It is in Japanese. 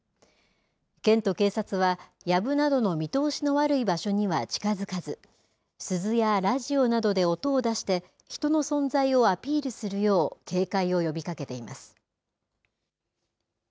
県と警察は、やぶなどの見通しの悪い場所には近づかず、鈴やラジオなどで音を出して、人の存在をアピールするよう警戒を呼びかけています。